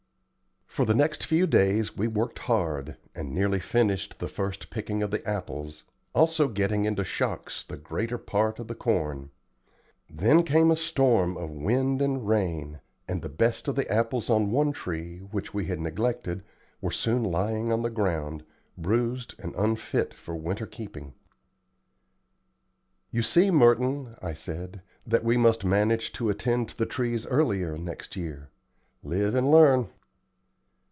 For the next few days we worked hard, and nearly finished the first picking of the apples, also getting into shocks the greater part of the corn. Then came a storm of wind and rain, and the best of the apples on one tree, which, we had neglected, were soon lying on the ground, bruised and unfit for winter keeping. "You see, Merton," I said, "that we must manage to attend to the trees earlier next year. Live and learn."